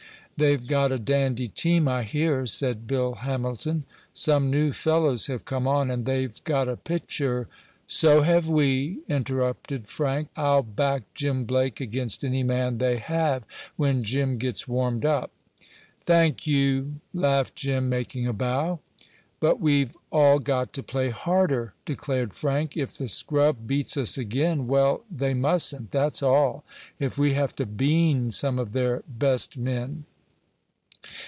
"They've got a dandy team, I hear," said Bill Hamilton. "Some new fellows have come on, and they've got a pitcher " "So have we," interrupted Frank. "I'll back Jim Blake against any man they have when Jim gets warmed up." "Thank you!" laughed Jim, making a bow. "But we've all got to play harder," declared Frank. "If the scrub beats us again well, they mustn't, that's all, if we have to 'bean' some of their best men."